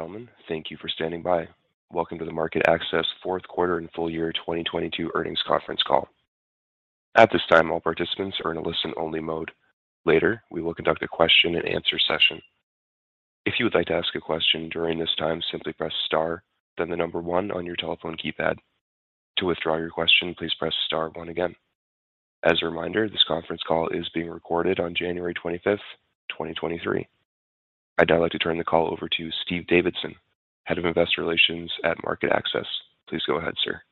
Ladies and gentlemen, thank you for standing by. Welcome to the MarketAxess Fourth Quarter and full-year 2022 Earnings Conference Call. At this time, all participants are in a listen-only mode. Later, we will conduct a question and answer session. If you would like to ask a question during this time, simply press star, then the number one on your telephone keypad. To withdraw your question, please press star one again. As a reminder, this conference call is being recorded on January 25th, 2023. I'd now like to turn the call over to Steve Davidson, Head of Investor Relations at MarketAxess. Please go ahead, sir.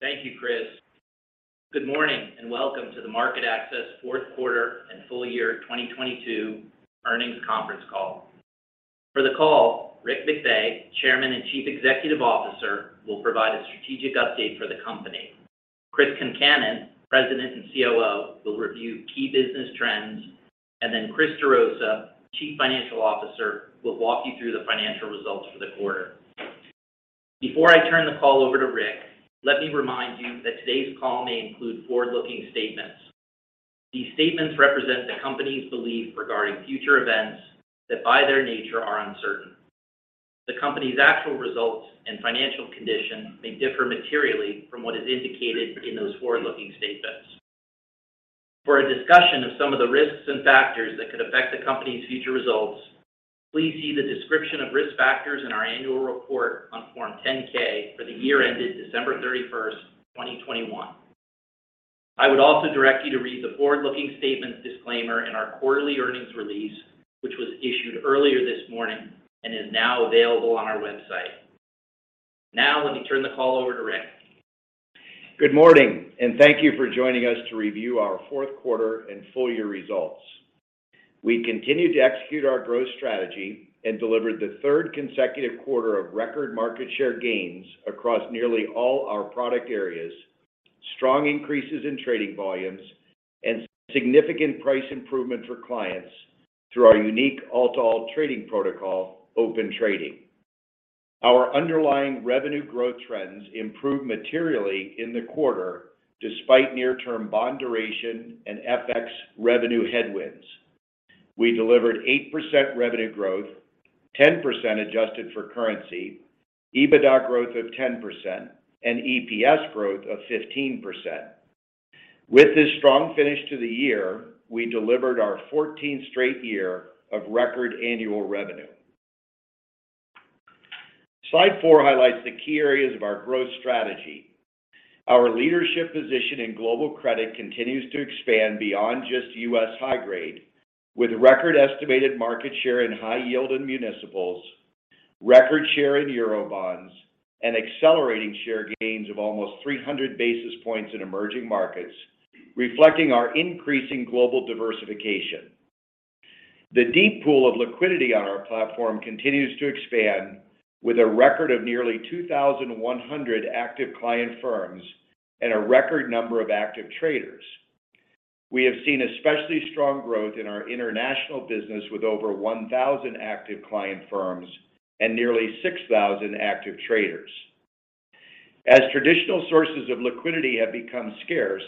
Thank you, Chris. Good morning, welcome to the MarketAxess Fourth Quarter and Full-Year 2022 Earnings Conference Call. For the call, Rick McVey, Chairman and Chief Executive Officer, will provide a strategic update for the company. Chris Concannon, President and COO, will review key business trends. Chris Gerosa, Chief Financial Officer, will walk you through the financial results for the quarter. Before I turn the call over to Rick, let me remind you that today's call may include forward-looking statements. These statements represent the company's belief regarding future events that, by their nature, are uncertain. The company's actual results and financial condition may differ materially from what is indicated in those forward-looking statements. For a discussion of some of the risks and factors that could affect the company's future results, please see the description of risk factors in our annual report on Form 10-K for the year ended December 31st, 2021. I would also direct you to read the forward-looking statements disclaimer in our quarterly earnings release, which was issued earlier this morning and is now available on our website. Let me turn the call over to Rick. Good morning. Thank you for joining us to review our fourth quarter and full-year results. We continued to execute our growth strategy and delivered the third consecutive quarter of record market share gains across nearly all our product areas, strong increases in trading volumes, and significant price improvement for clients through our unique All-to-All trading protocol, Open Trading. Our underlying revenue growth trends improved materially in the quarter despite near-term bond duration and FX revenue headwinds. We delivered 8% revenue growth, 10% adjusted for currency, EBITDA growth of 10%, and EPS growth of 15%. With this strong finish to the year, we delivered our 14th straight year of record annual revenue. Slide four highlights the key areas of our growth strategy. Our leadership position in global credit continues to expand beyond just U.S. high-grade, with record estimated market share in high yield and municipals, record share in Eurobonds, and accelerating share gains of almost 300 basis points in emerging markets, reflecting our increasing global diversification. The deep pool of liquidity on our platform continues to expand with a record of nearly 2,100 active client firms and a record number of active traders. We have seen especially strong growth in our international business with over 1,000 active client firms and nearly 6,000 active traders. As traditional sources of liquidity have become scarce,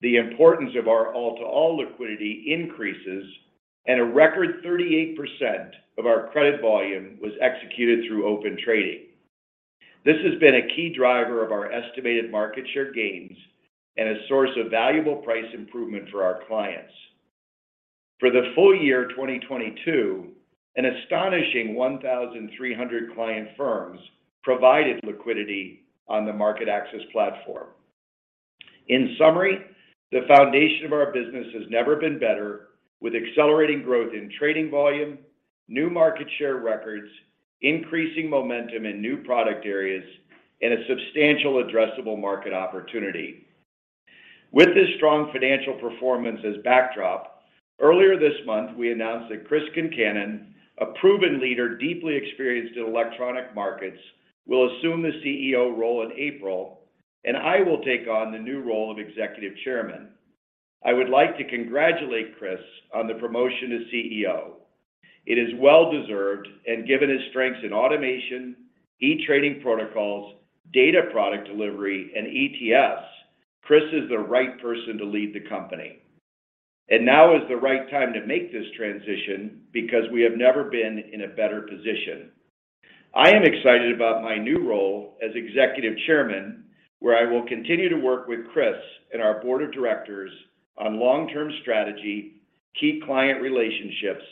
the importance of our All-to-All liquidity increases. A record 38% of our credit volume was executed through Open Trading. This has been a key driver of our estimated market share gains and a source of valuable price improvement for our clients. For the full-year 2022, an astonishing 1,300 client firms provided liquidity on the MarketAxess platform. In summary, the foundation of our business has never been better with accelerating growth in trading volume, new market share records, increasing momentum in new product areas, and a substantial addressable market opportunity. With this strong financial performance as backdrop, earlier this month, we announced that Chris Concannon, a proven leader deeply experienced in electronic markets, will assume the CEO role in April, and I will take on the new role of executive chairman. I would like to congratulate Chris on the promotion to CEO. It is well-deserved and given his strengths in automation, e-trading protocols, data product delivery, and ETFs, Chris is the right person to lead the company. Now is the right time to make this transition because we have never been in a better position. I am excited about my new role as Executive Chairman, where I will continue to work with Chris and our Board of Directors on long-term strategy, key client relationships,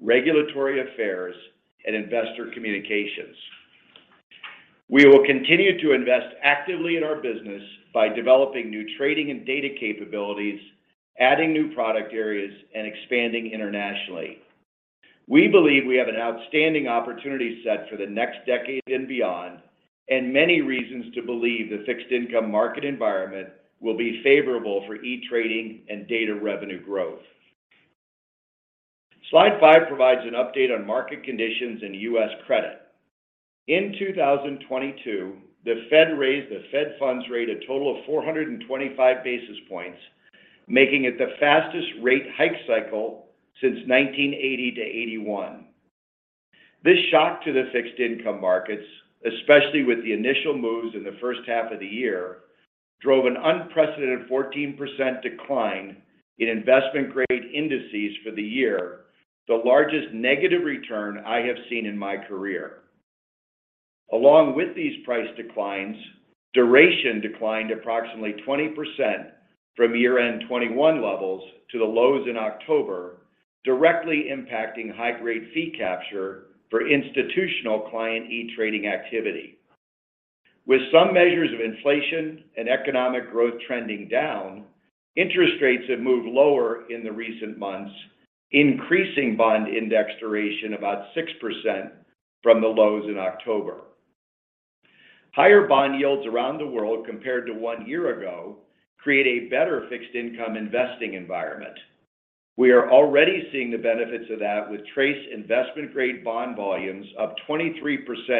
regulatory affairs, and investor communications. We will continue to invest actively in our business by developing new trading and data capabilities, adding new product areas, and expanding internationally. We believe we have an outstanding opportunity set for the next decade and beyond, and many reasons to believe the Fixed Income market environment will be favorable for e-trading and data revenue growth. Slide five provides an update on market conditions in U.S. credit. In 2022, the Fed raised the Fed funds rate a total of 425 basis points, making it the fastest rate hike cycle since 1980–1981. This shock to the Fixed Income markets, especially with the initial moves in the first-half of the year, drove an unprecedented 14% decline in investment-grade indices for the year, the largest negative return I have seen in my career. Along with these price declines, duration declined approximately 20% from year-end 2021 levels to the lows in October, directly impacting high-grade fee capture for institutional client e-trading activity. With some measures of inflation and economic growth trending down, interest rates have moved lower in the recent months, increasing bond index duration about 6% from the lows in October. Higher bond yields around the world compared to one year ago create a better Fixed Income investing environment. We are already seeing the benefits of that with TRACE investment-grade bond volumes up 23%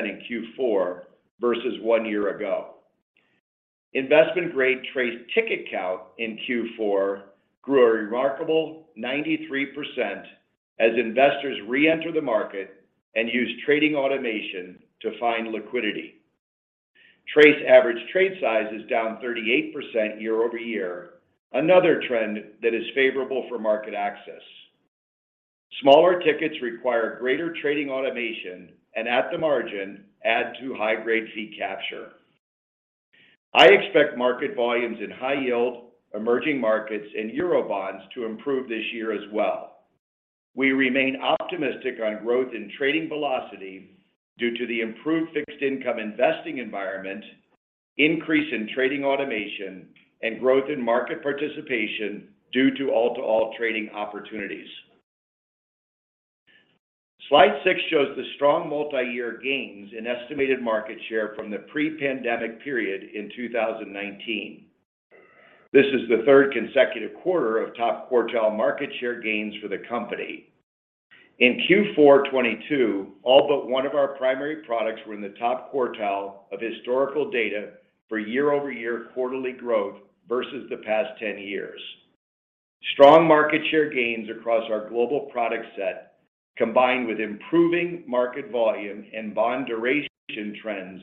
in Q4 versus one year ago. Investment-grade TRACE ticket count in Q4 grew a remarkable 93% as investors reenter the market and use trading automation to find liquidity. TRACE average trade size is down 38% year-over-year, another trend that is favorable for MarketAxess. Smaller tickets require greater trading automation and, at the margin, add to high-grade fee capture. I expect market volumes in high yield, emerging markets, and Eurobonds to improve this year as well. We remain optimistic on growth in trading velocity due to the improved Fixed Income investing environment, increase in trading automation, and growth in market participation due to All-to-All trading opportunities. Slide six shows the strong multi-year gains in estimated market share from the pre-pandemic period in 2019. This is the third consecutive quarter of top-quartile market share gains for the company. In Q4 2022, all but one of our primary products were in the top quartile of historical data for year-over-year quarterly growth versus the past 10 years. Strong market share gains across our global product set, combined with improving market volume and bond duration trends,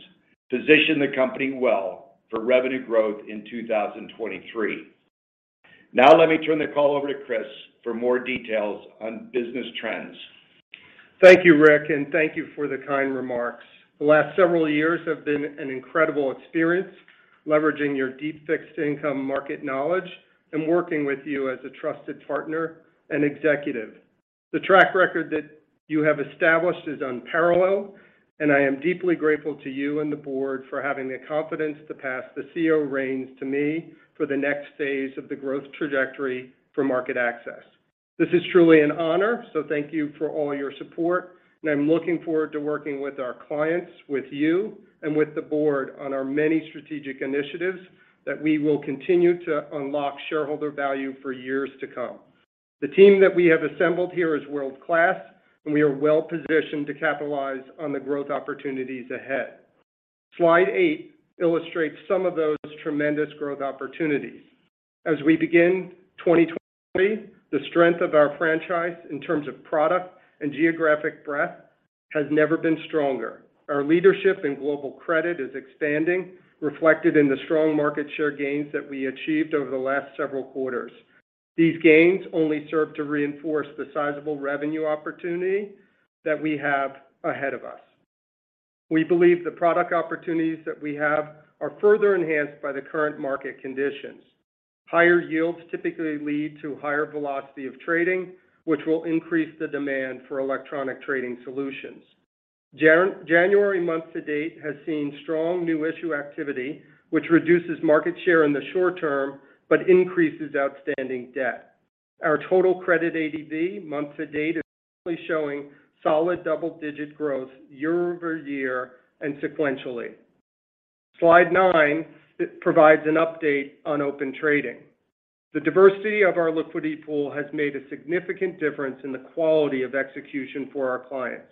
position the company well for revenue growth in 2023. Let me turn the call over to Chris for more details on business trends. Thank you, Rick, and thank you for the kind remarks. The last several years have been an incredible experience leveraging your deep Fixed Income market knowledge and working with you as a trusted partner and executive. The track record that you have established is unparalleled, and I am deeply grateful to you and the board for having the confidence to pass the CEO reins to me for the next phase of the growth trajectory for MarketAxess. This is truly an honor, so thank you for all your support, and I'm looking forward to working with our clients, with you, and with the board on our many strategic initiatives that we will continue to unlock shareholder value for years to come. The team that we have assembled here is world-class, and we are well-positioned to capitalize on the growth opportunities ahead. Slide eight illustrates some of those tremendous growth opportunities. As we begin 2023, the strength of our franchise in terms of product and geographic breadth has never been stronger. Our leadership in global credit is expanding, reflected in the strong market share gains that we achieved over the last several quarters. These gains only serve to reinforce the sizable revenue opportunity that we have ahead of us. We believe the product opportunities that we have are further enhanced by the current market conditions. Higher yields typically lead to higher velocity of trading, which will increase the demand for electronic trading solutions. January month-to-date has seen strong new issue activity, which reduces market share in the short term but increases outstanding debt. Our total credit ADB month-to-date is currently showing solid double-digit growth year-over-year and sequentially. Slide nine provides an update on Open Trading. The diversity of our liquidity pool has made a significant difference in the quality of execution for our clients.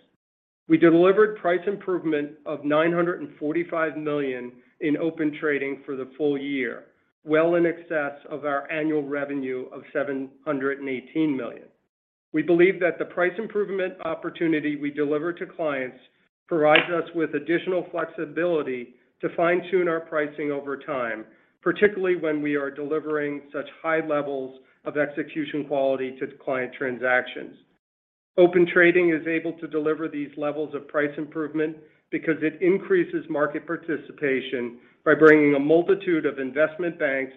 We delivered price improvement of $945 million in Open Trading for the full-year, well in excess of our annual revenue of $718 million. We believe that the price improvement opportunity we deliver to clients provides us with additional flexibility to fine-tune our pricing over time, particularly when we are delivering such high levels of execution quality to client transactions. Open Trading is able to deliver these levels of price improvement because it increases market participation by bringing a multitude of investment banks,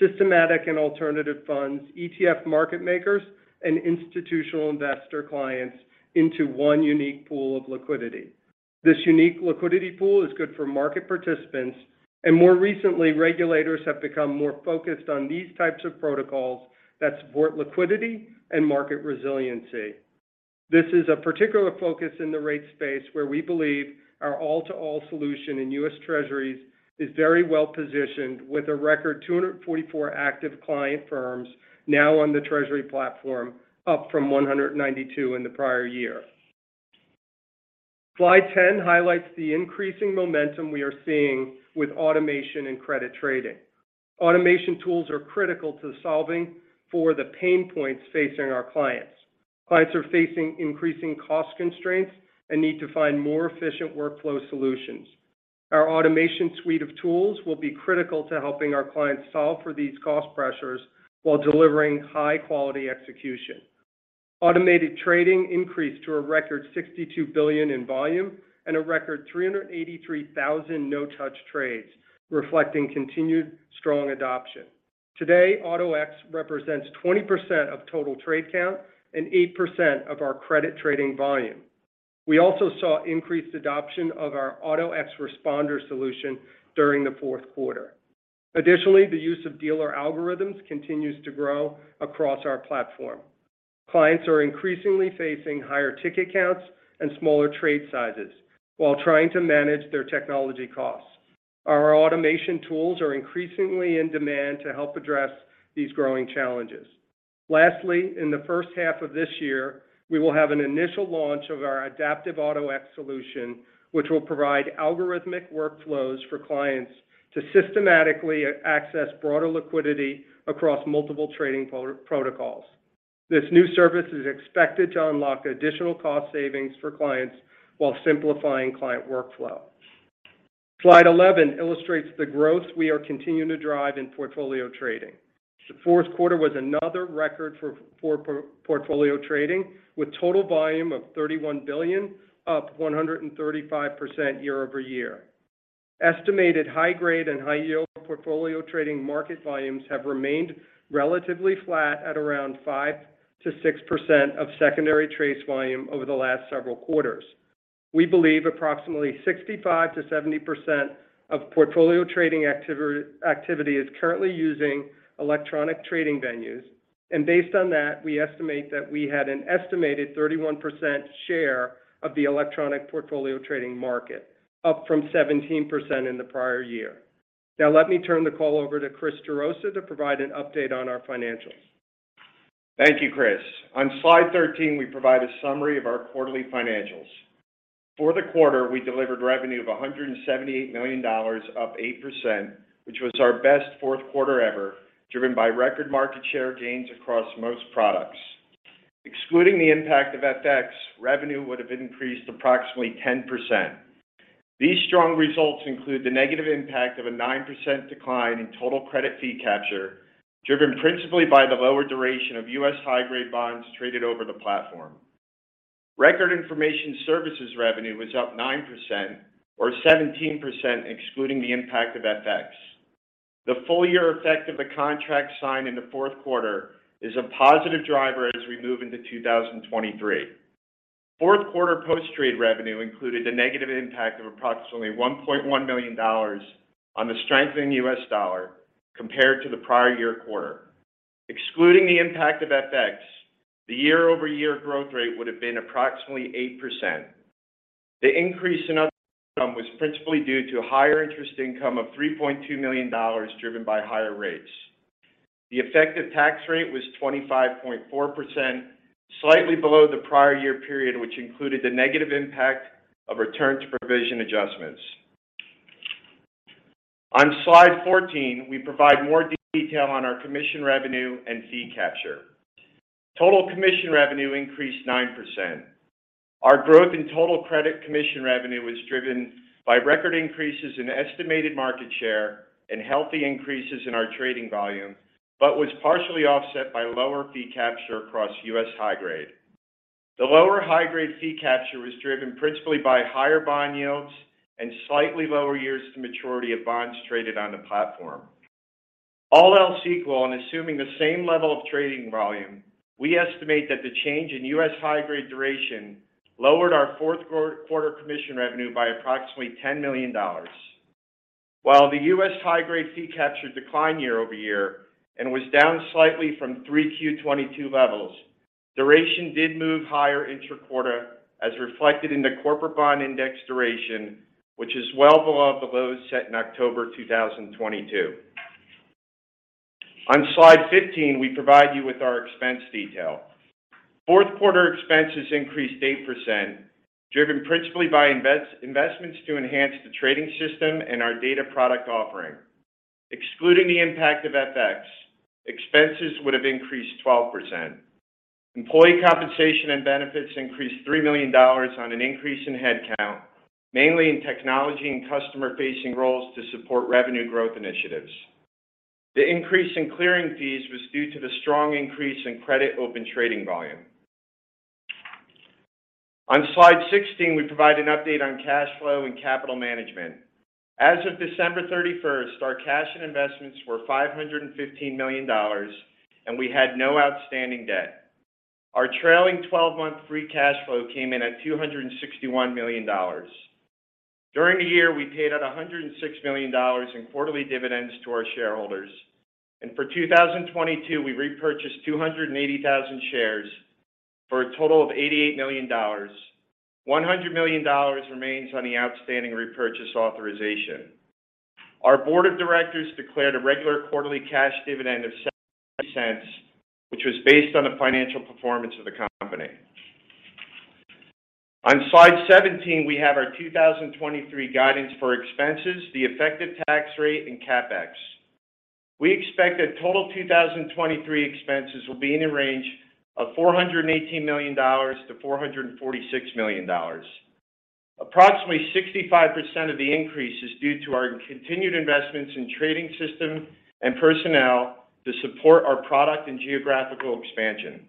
systematic and alternative funds, ETF market makers, and institutional investor clients into one unique pool of liquidity. This unique liquidity pool is good for market participants, and more recently, regulators have become more focused on these types of protocols that support liquidity and market resiliency. This is a particular focus in the rate space where we believe our All-to-All solution in U.S. Treasuries is very well-positioned with a record 244 active client firms now on the Treasury platform, up from 192 in the prior year. Slide 10 highlights the increasing momentum we are seeing with automation and credit trading. Automation tools are critical to solving for the pain points facing our clients. Clients are facing increasing cost constraints and need to find more efficient workflow solutions. Our automation suite of tools will be critical to helping our clients solve for these cost pressures while delivering high-quality execution. Automated trading increased to a record $62 billion in volume and a record 383,000 no-touch trades, reflecting continued strong adoption. Today, Auto-X represents 20% of total trade count and 8% of our credit trading volume. We also saw increased adoption of our Auto-X Responder solution during the fourth quarter. The use of dealer algorithms continues to grow across our platform. Clients are increasingly facing higher ticket counts and smaller trade sizes while trying to manage their technology costs. Our automation tools are increasingly in demand to help address these growing challenges. In the first-half of this year, we will have an initial launch of our Adaptive Auto-X solution, which will provide algorithmic workflows for clients to systematically access broader liquidity across multiple trading protocols. This new service is expected to unlock additional cost savings for clients while simplifying client workflow. Slide 11 illustrates the growth we are continuing to drive in portfolio trading. The fourth quarter was another record for portfolio trading, with total volume of $31 billion, up 135% year-over-year. Estimated high-grade and high-yield portfolio trading market volumes have remained relatively flat at around 5%-6% of secondary TRACE volume over the last several quarters. We believe approximately 65%-70% of portfolio trading activity is currently using electronic trading venues, and based on that, we estimate that we had an estimated 31% share of the electronic portfolio trading market, up from 17% in the prior year. Let me turn the call over to Chris Gerosa to provide an update on our financials. Thank you, Chris. On slide 13, we provide a summary of our quarterly financials. For the quarter, we delivered revenue of $178 million, up 8%, which was our best fourth quarter ever, driven by record market share gains across most products. Excluding the impact of FX, revenue would have increased approximately 10%. These strong results include the negative impact of a 9% decline in total credit fee capture, driven principally by the lower duration of U.S. high-grade bonds traded over the platform. Record information services revenue was up 9%, or 17% excluding the impact of FX. The full-year effect of the contract signed in the fourth quarter is a positive driver as we move into 2023. Fourth quarter post-trade revenue included the negative impact of approximately $1.1 million on the strengthening U.S. dollar compared to the prior year quarter. Excluding the impact of FX, the year-over-year growth rate would have been approximately 8%. The increase in other income was principally due to higher interest income of $3.2 million, driven by higher rates. The effective tax rate was 25.4%, slightly below the prior year period, which included the negative impact of return to provision adjustments. On slide 14, we provide more detail on our commission revenue and fee capture. Total commission revenue increased 9%. Our growth in total credit commission revenue was driven by record increases in estimated market share and healthy increases in our trading volume, but was partially offset by lower fee capture across U.S. high-grade. The lower high-grade fee capture was driven principally by higher bond yields and slightly lower years to maturity of bonds traded on the platform. All else equal, and assuming the same level of trading volume, we estimate that the change in U.S. high-grade duration lowered our fourth quarter commission revenue by approximately $10 million. While the U.S. high-grade fee capture declined year-over-year and was down slightly from 3Q 2022 levels, duration did move higher intra-quarter, as reflected in the corporate bond index duration, which is well below the lows set in October 2022. On slide 15, we provide you with our expense detail. Fourth quarter expenses increased 8%, driven principally by investments to enhance the trading system and our data product offering. Excluding the impact of FX, expenses would have increased 12%. Employee compensation and benefits increased $3 million on an increase in head count, mainly in technology and customer-facing roles to support revenue growth initiatives. The increase in clearing fees was due to the strong increase in credit Open Trading volume. On slide 16, we provide an update on cash flow and capital management. As of December 31st, our cash and investments were $515 million, and we had no outstanding debt. Our trailing 12-month free cash flow came in at $261 million. During the year, we paid out $106 million in quarterly dividends to our shareholders. For 2022, we repurchased 280,000 shares for a total of $88 million. $100 million remains on the outstanding repurchase authorization. Our Board of Directors declared a regular quarterly cash dividend of $0.70, which was based on the financial performance of the company. On slide 17, we have our 2023 guidance for expenses, the effective tax rate, and CapEx. We expect that total 2023 expenses will be in the range of $418 million-$446 million. Approximately 65% of the increase is due to our continued investments in trading system and personnel to support our product and geographical expansion.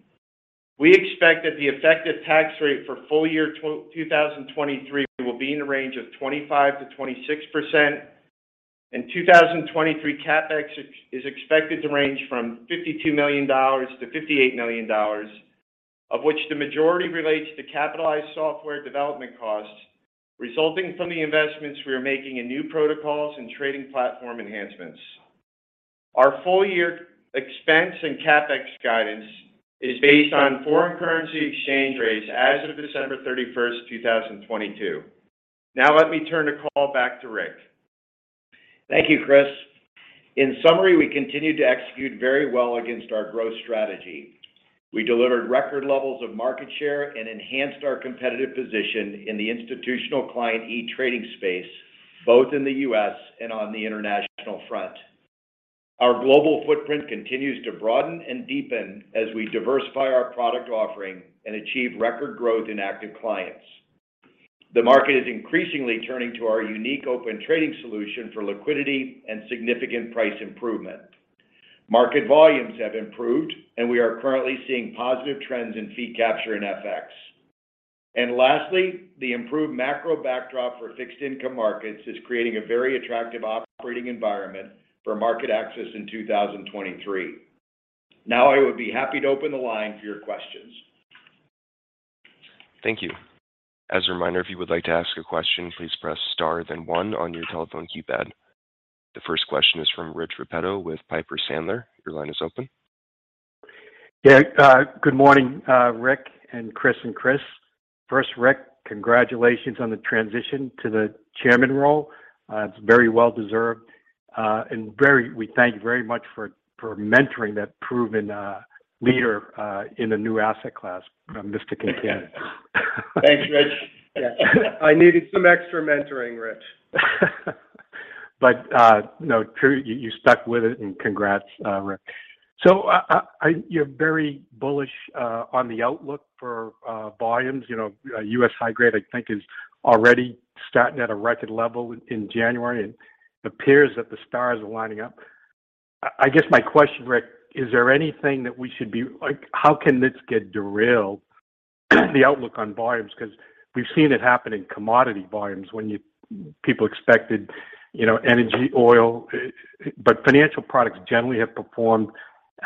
We expect that the effective tax rate for full-year 2023 will be in the range of 25%-26%. 2023 CapEx is expected to range from $52 million-$58 million, of which the majority relates to capitalized software development costs resulting from the investments we are making in new protocols and trading platform enhancements. Our full-year expense and CapEx guidance is based on foreign currency exchange rates as of December 31st, 2022. Let me turn the call back to Rick. Thank you, Chris. In summary, we continued to execute very well against our growth strategy. We delivered record levels of market share and enhanced our competitive position in the institutional client e-trading space, both in the U.S. and on the international front. Our global footprint continues to broaden and deepen as we diversify our product offering and achieve record growth in active clients. The market is increasingly turning to our unique Open Trading solution for liquidity and significant price improvement. Market volumes have improved, we are currently seeing positive trends in fee capture in FX. Lastly, the improved macro backdrop for Fixed Income markets is creating a very attractive operating environment for MarketAxess in 2023. Now I would be happy to open the line for your questions. Thank you. As a reminder, if you would like to ask a question, please press star then one on your telephone keypad. The first question is from Rich Repetto with Piper Sandler. Your line is open. Yeah. Good morning, Rick and Chris and Chris. First, Rick, congratulations on the transition to the Chairman role. It's very well deserved. We thank you very much for mentoring that proven leader in a new asset class, Mr. Concannon. Thanks, Rich. Yeah. I needed some extra mentoring, Rich. No, true, you stuck with it and congrats, Rick. You're very bullish on the outlook for volumes. You know, U.S. high-grade I think is already starting at a record level in January, and it appears that the stars are lining up. I guess my question, Rick, is there anything that—how can this get derailed, the outlook on volumes? We've seen it happen in commodity volumes people expected, you know, energy, oil. Financial products generally have performed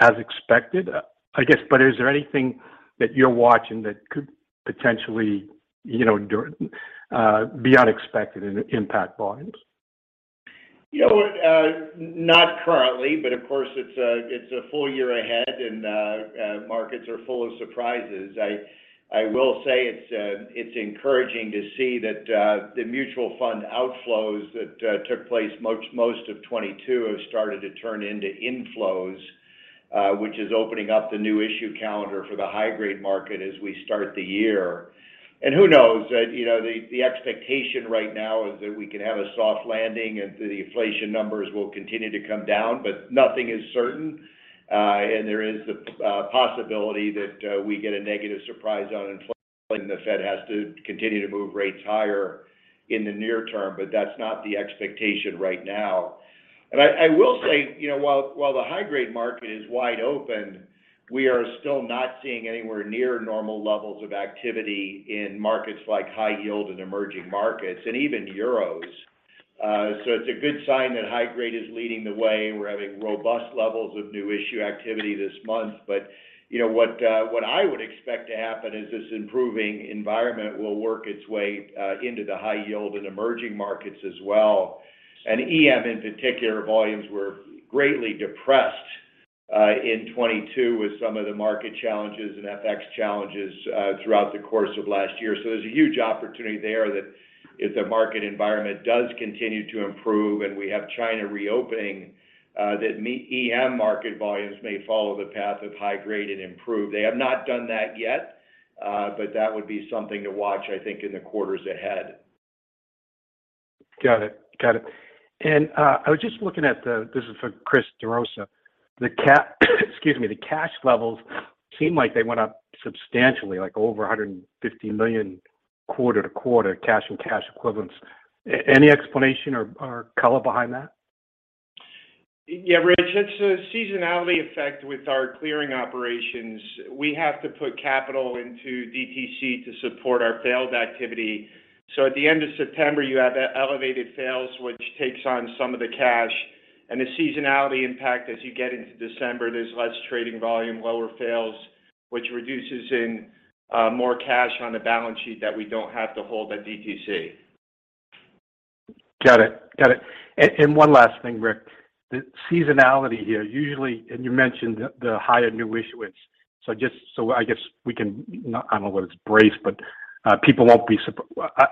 as expected, I guess. Is there anything that you're watching that could potentially, you know, be unexpected and impact volumes? You know, not currently, but of course it's a full-year ahead, and markets are full of surprises. I will say it's encouraging to see that the mutual fund outflows that took place most of 2022 have started to turn into inflows, which is opening up the new issue calendar for the high-grade market as we start the year. Who knows? You know, the expectation right now is that we can have a soft landing and the inflation numbers will continue to come down, but nothing is certain. There is the possibility that we get a negative surprise on inflation, the Fed has to continue to move rates higher in the near term, but that's not the expectation right now. I will say, you know, while the high-grade market is wide open, we are still not seeing anywhere near normal levels of activity in markets like high yield and emerging markets and even euros. It's a good sign that high-grade is leading the way. We're having robust levels of new issue activity this month. You know, what I would expect to happen is this improving environment will work its way into the high yield and emerging markets as well. EM in particular, volumes were greatly depressed in 2022 with some of the market challenges and FX challenges throughout the course of last year. There's a huge opportunity there that if the market environment does continue to improve and we have China reopening, that EM market volumes may follow the path of high-grade and improve. They have not done that yet, that would be something to watch, I think, in the quarters ahead. Got it. Got it. I was just looking at the—this is for Chris Gerosa. Excuse me. The cash levels seem like they went up substantially, like over $150 million quarter-to-quarter cash-and-cash equivalents. Any explanation or color behind that? Yeah, Rich, it's a seasonality effect with our clearing operations. We have to put capital into DTC to support our failed activity. At the end of September, you have elevated fails, which takes on some of the cash. The seasonality impact as you get into December, there's less trading volume, lower fails, which reduces in more cash on the balance sheet that we don't have to hold at DTC. Got it. Got it. One last thing, Rick. The seasonality here, usually. You mentioned the higher new issuance. Just so I guess we can. I don't know whether it's brace, but people won't be.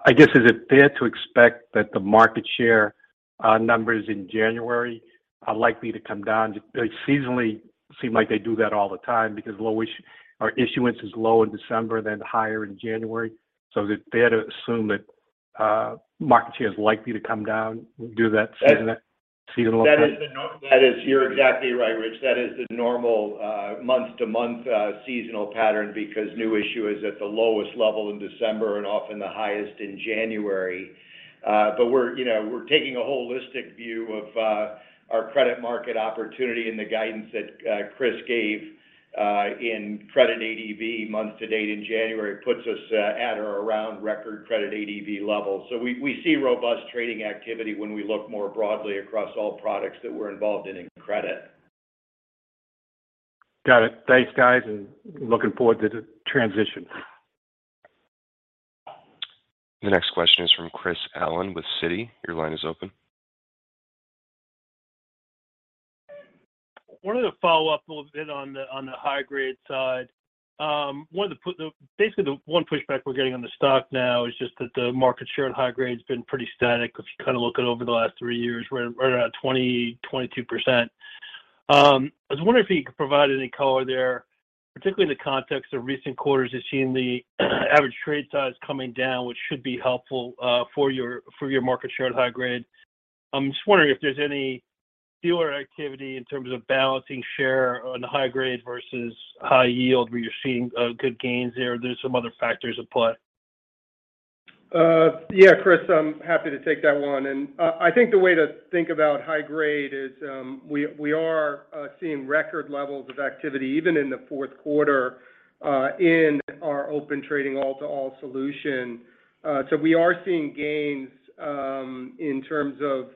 I guess, is it fair to expect that the market share our numbers in January are likely to come down. They seasonally seem like they do that all the time because our issuance is low in December, then higher in January. It's fair to assume that market share is likely to come down due to that seasonal pattern. You're exactly right, Rich. That is the normal month-to-month seasonal pattern because new issue is at the lowest level in December and often the highest in January. We're, you know, we're taking a holistic view of our credit market opportunity and the guidance that Chris gave in credit ADV month-to-date in January puts us at or around record credit ADV levels. We see robust trading activity when we look more broadly across all products that we're involved in credit. Got it. Thanks, guys, and looking forward to the transition. The next question is from Chris Allen with Citi. Your line is open. Wanted to follow up a little bit on the high-grade side. Basically, the one pushback we're getting on the stock now is just that the market share in high-grade's been pretty static. If you kind of look at over the last three years, we're around 20%-22%. I was wondering if you could provide any color there, particularly in the context of recent quarters has seen the average trade size coming down, which should be helpful for your market share at high-grade. I'm just wondering if there's any dealer activity in terms of balancing share on high-grade versus high yield, where you're seeing good gains there. There's some other factors at play. Yeah, Chris, I'm happy to take that one. I think the way to think about high-grade is, we are seeing record levels of activity, even in the fourth quarter, in our Open Trading All-to-All solution. So we are seeing gains, in terms of,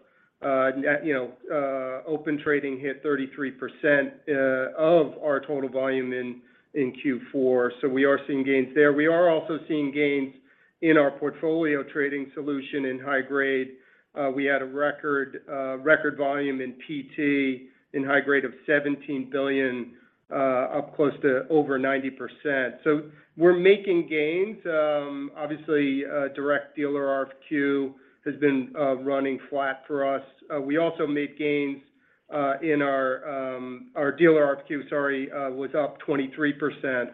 you know, Open Trading hit 33% of our total volume in Q4. So we are seeing gains there. We are also seeing gains in our portfolio trading solution in high-grade. We had a record volume in PT in high-grade of $17 billion, up close to over 90%. So we're making gains. Obviously, direct dealer RFQ has been running flat for us. We also made gains in our dealer RFQ, sorry, was up 23%.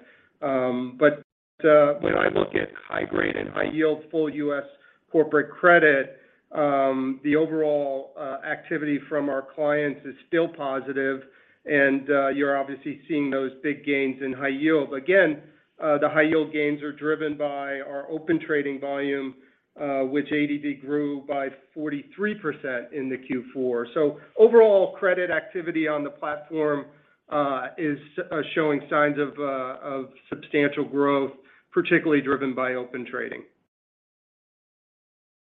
When I look at high-grade and high yield full U.S. corporate credit, the overall activity from our clients is still positive. You're obviously seeing those big gains in high yield. Again, the high-yield gains are driven by our Open Trading volume, which ADV grew by 43% in the Q4. Overall credit activity on the platform is showing signs of substantial growth, particularly driven by Open Trading.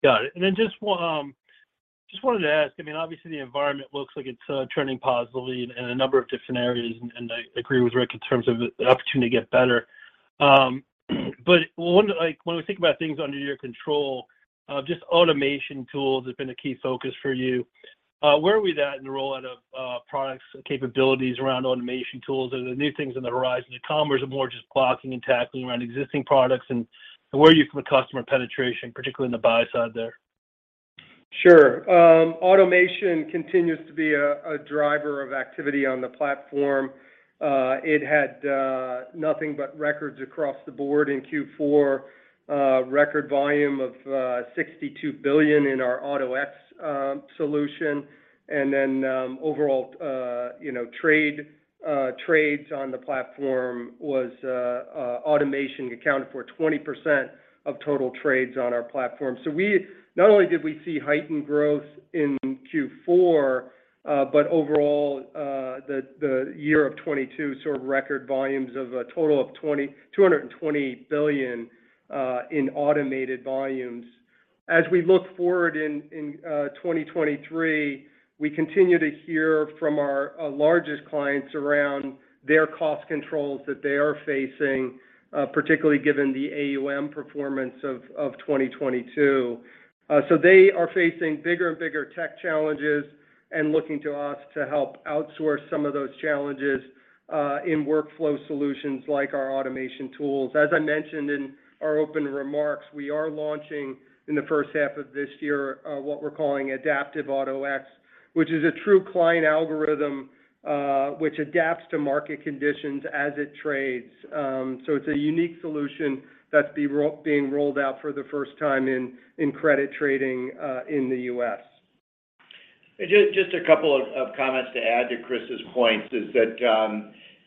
Got it. I mean, obviously the environment looks like it's turning positively in a number of different areas, and I agree with Rick in terms of the opportunity to get better. I wonder, like, when we think about things under your control, just automation tools have been a key focus for you. Where are we that in the rollout of products and capabilities around automation tools? Are there new things on the horizon to commerce or more just blocking and tackling around existing products? Where are you from a customer penetration, particularly in the buy side there? Sure. Automation continues to be a driver of activity on the platform. It had nothing but records across the board in Q4, record volume of $62 billion in our Auto-X solution. Overall, you know, trades on the platform, automation accounted for 20% of total trades on our platform. Not only did we see heightened growth in Q4, but overall, the year of 2022 sort of record volumes of a total of $220 billion in automated volumes. As we look forward in 2023, we continue to hear from our largest clients around their cost controls that they are facing, particularly given the AUM performance of 2022. They are facing bigger and bigger tech challenges and looking to us to help outsource some of those challenges in workflow solutions like our automation tools. As I mentioned in our open remarks, we are launching in the first-half of this year, what we're calling Adaptive Auto-X, which is a true client algorithm, which adapts to market conditions as it trades. It's a unique solution that's being rolled out for the first time in credit trading, in the U.S. Just a couple of comments to add to Chris's points is that,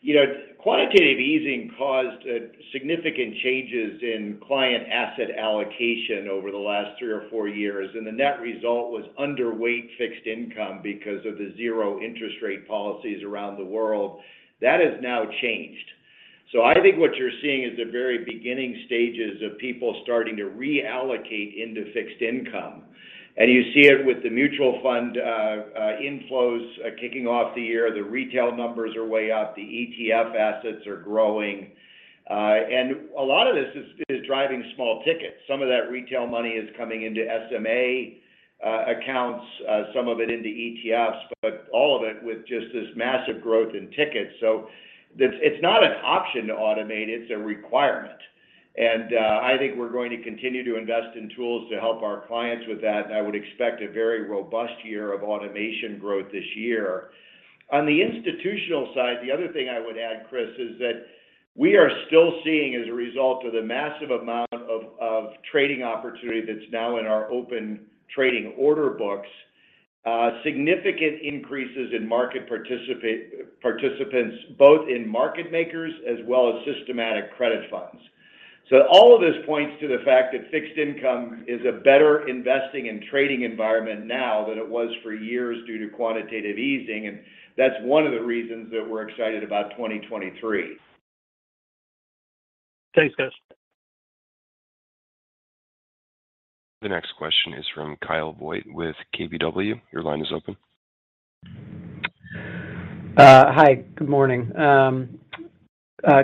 you know, quantitative easing caused significant changes in client asset allocation over the last three or four years, and the net result was underweight Fixed Income because of the zero interest rate policies around the world. That has now changed. I think what you're seeing is the very beginning stages of people starting to reallocate into Fixed Income. You see it with the mutual fund inflows kicking off the year. The retail numbers are way up. The ETF assets are growing. A lot of this is driving small tickets. Some of that retail money is coming into SMA accounts, some of it into ETFs, but all of it with just this massive growth in tickets. It's not an option to automate, it's a requirement. I think we're going to continue to invest in tools to help our clients with that, and I would expect a very robust year of automation growth this year. On the institutional side, the other thing I would add, Chris, is that we are still seeing as a result of the massive amount of trading opportunity that's now in our Open Trading order books, significant increases in market participants, both in market makers as well as systematic credit funds. All of this points to the fact that Fixed Income is a better investing and trading environment now than it was for years due to quantitative easing, and that's one of the reasons that we're excited about 2023. Thanks, guys. The next question is from Kyle Voigt with KBW. Your line is open. Hi. Good morning.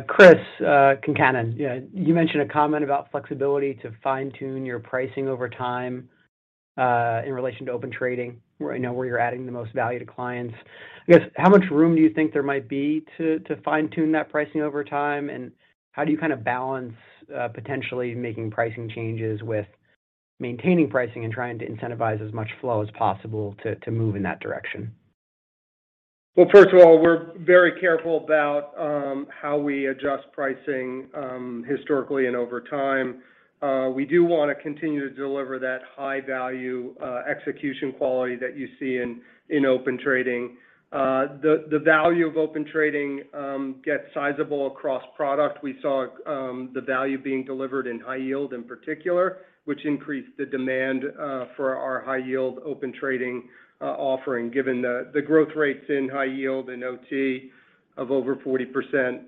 Chris Concannon, you mentioned a comment about flexibility to fine-tune your pricing over time, in relation to Open Trading, right now where you're adding the most value to clients. I guess, how much room do you think there might be to fine-tune that pricing over time, and how do you kind of balance potentially making pricing changes with maintaining pricing and trying to incentivize as much flow as possible to move in that direction? Well, first of all, we're very careful about how we adjust pricing historically and over time. We do wanna continue to deliver that high-value execution quality that you see in Open Trading. The value of Open Trading gets sizable across product. We saw the value being delivered in high yield in particular, which increased the demand for our high-yield Open Trading offering, given the growth rates in high yield and OT of over 40%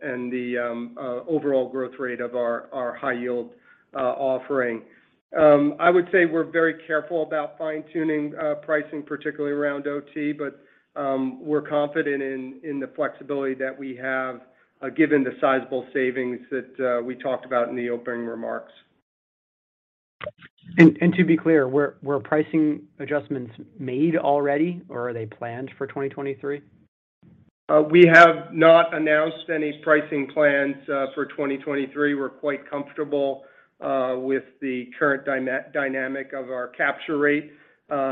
and the overall growth rate of our high-yield offering. I would say we're very careful about fine-tuning pricing, particularly around OT, but we're confident in the flexibility that we have given the sizable savings that we talked about in the opening remarks. To be clear, were pricing adjustments made already, or are they planned for 2023? We have not announced any pricing plans for 2023. We're quite comfortable with the current dynamic of our capture rate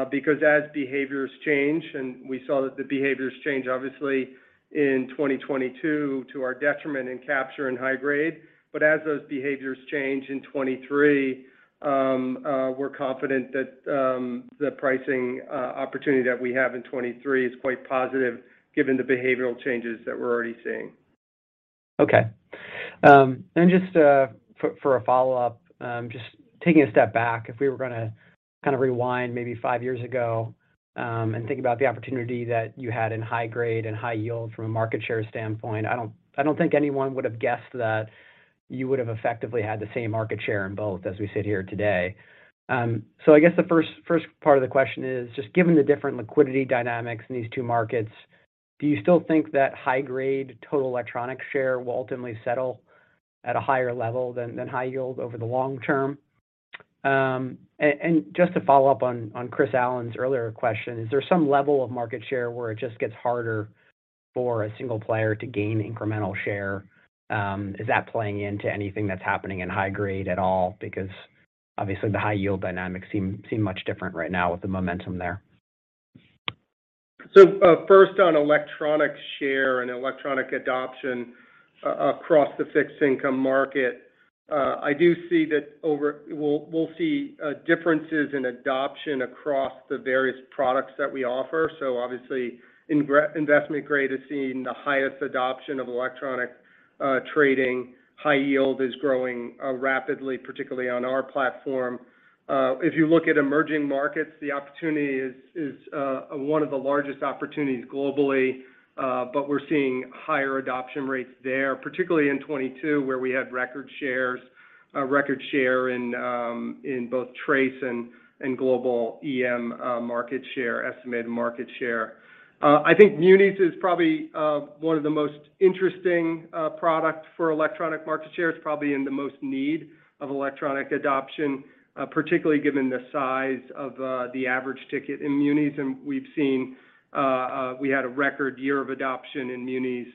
because as behaviors change, and we saw that the behaviors change obviously in 2022 to our detriment in capture and high-grade, but as those behaviors change in 2023, we're confident that the pricing opportunity that we have in 2023 is quite positive given the behavioral changes that we're already seeing. Just for a follow-up, just taking a step back, if we were gonna kind of rewind maybe five years ago, think about the opportunity that you had in high-grade and high yield from a market share standpoint, I don't think anyone would have guessed that you would have effectively had the same market share in both as we sit here today. I guess the first part of the question is, just given the different liquidity dynamics in these two markets, do you still think that high-grade total electronic share will ultimately settle at a higher level than high yield over the long term? Just to follow up on Chris Allen's earlier question, is there some level of market share where it just gets harder for a single player to gain incremental share? Is that playing into anything that's happening in high-grade at all? Obviously the high-yield dynamics seem much different right now with the momentum there. First on electronic share and electronic adoption across the Fixed Income market, I do see that. We'll see differences in adoption across the various products that we offer. Obviously, investment grade has seen the highest adoption of electronic trading. High yield is growing rapidly, particularly on our platform. If you look at emerging markets, the opportunity is one of the largest opportunities globally, but we're seeing higher adoption rates there, particularly in 2022, where we had record share in both TRACE and global EM market share estimated market share. I think munis is probably one of the most interesting product for electronic market share. It's probably in the most need of electronic adoption, particularly given the size of the average ticket in munis. We've seen, we had a record year of adoption in munis,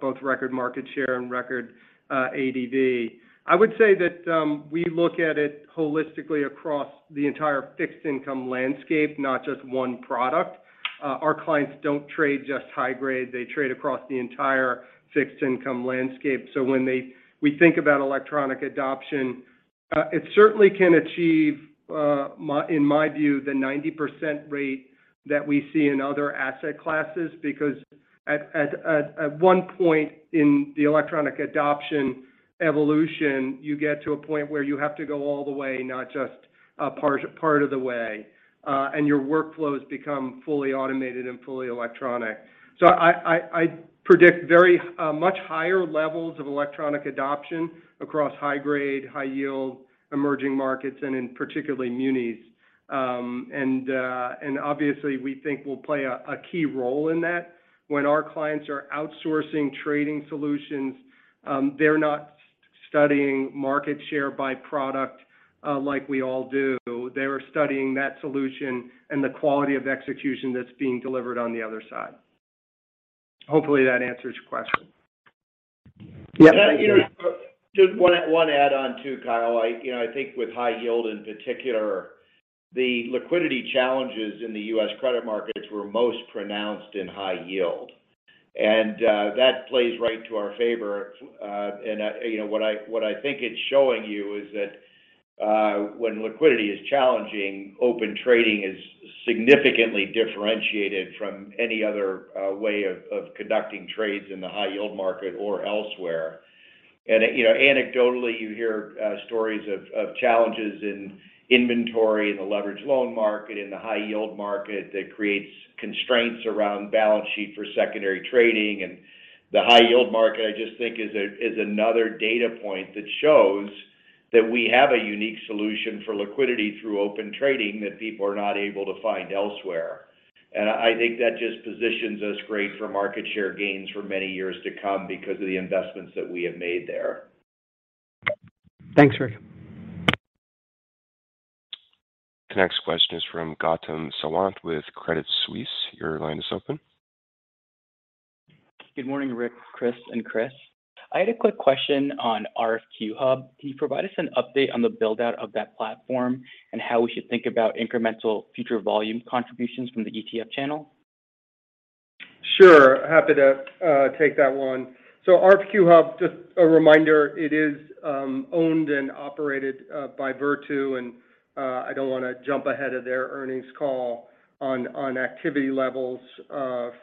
both record market share and record ADV. I would say that, we look at it holistically across the entire Fixed Income landscape, not just one product. Our clients don't trade just high-grade. They trade across the entire Fixed Income landscape. When we think about electronic adoption, it certainly can achieve, in my view, the 90% rate that we see in other asset classes, because at one point in the electronic adoption evolution, you get to a point where you have to go all the way, not just part of the way, and your workflows become fully automated and fully electronic. I predict very much higher levels of electronic adoption across high-grade, high yield, emerging markets, and in particular munis. And obviously we think we'll play a key role in that. When our clients are outsourcing trading solutions, they're not studying market share by product, like we all do. They are studying that solution and the quality of execution that's being delivered on the other side. Hopefully that answers your question. Yeah, thank you. Just one add on to Kyle. I, you know, I think with high yield in particular, the liquidity challenges in the U.S. credit markets were most pronounced in high yield. That plays right to our favor. I, you know, what I, what I think it's showing you is that when liquidity is challenging, Open Trading is significantly differentiated from any other way of conducting trades in the high yield market or elsewhere. You know, anecdotally, you hear stories of challenges in inventory, in the leverage loan market, in the high yield market that creates constraints around balance sheet for secondary trading. The high yield market, I just think is another data point that shows that we have a unique solution for liquidity through Open Trading that people are not able to find elsewhere. I think that just positions us great for market share gains for many years to come because of the investments that we have made there. Thanks, Rick. The next question is from Gautam Sawant with Credit Suisse. Your line is open. Good morning, Rick, Chris, and Chris. I had a quick question on RFQ-hub. Can you provide us an update on the build-out of that platform and how we should think about incremental future volume contributions from the ETF channel? Sure. Happy to take that one. RFQ-hub, just a reminder, it is owned and operated by Virtu, and I don't wanna jump ahead of their earnings call on activity levels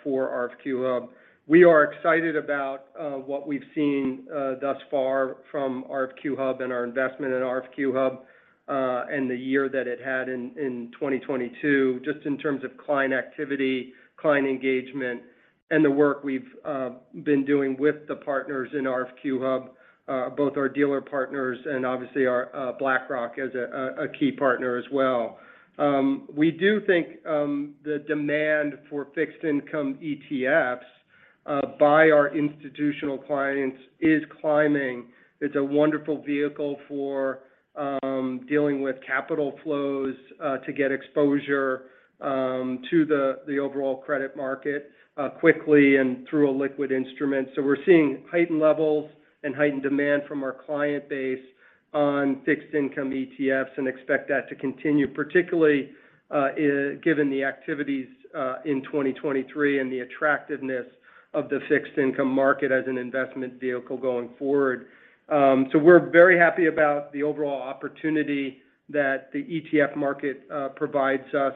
for RFQ-hub. We are excited about what we've seen thus far from RFQ-hub and our investment in RFQ-hub, and the year that it had in 2022, just in terms of client activity, client engagement, and the work we've been doing with the partners in RFQ-hub, both our dealer partners and obviously our BlackRock as a key partner as well. We do think the demand for Fixed Income ETFs by our institutional clients is climbing. It's a wonderful vehicle for dealing with capital flows to get exposure to the overall credit market quickly and through a liquid instrument. We're seeing heightened levels and heightened demand from our client base on Fixed Income ETFs and expect that to continue, particularly given the activities in 2023 and the attractiveness of the Fixed Income market as an investment vehicle going forward. We're very happy about the overall opportunity that the ETF market provides us